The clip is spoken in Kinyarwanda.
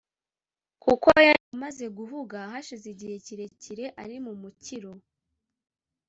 kuko yari amaze guhuga hashize igihe kirekire ari mu mukiro.